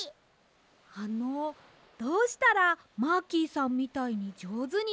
あのどうしたらマーキーさんみたいにじょうずになりますか？